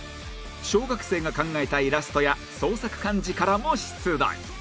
小学生が考えたイラストや創作漢字からも出題